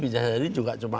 bisa jadi juga cuma